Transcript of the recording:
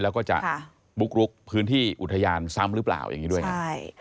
แล้วก็จะบุกรุกพื้นที่อุทยานซ้ำหรือเปล่าอย่างนี้ด้วยนะใช่